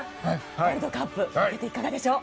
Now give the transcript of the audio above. ワールドカップいかがでしょう。